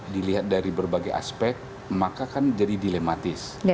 dilihat dari berbagai aspek maka kan jadi dilematis